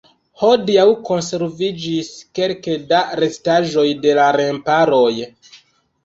Hodiaŭ konserviĝis kelke da restaĵoj de la remparoj.